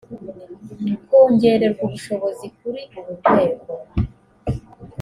kongererwa ubushobozi kuri uru rwego